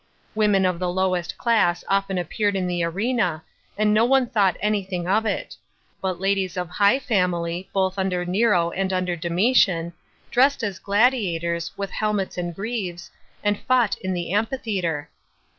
Women of the lowest class often appeared in the arena, and no one thought anything of it ; but ladies of high family, both under Nero and under Domitian, dressed as gladiators, with helmets and greaves, and fought in the amphitheatre.